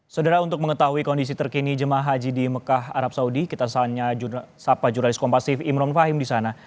saudara untuk mengetahui kondisi terkini jemaah haji di mekah arab saudi kita selanjutnya sapa jurnalis kompasif imron fahim di sana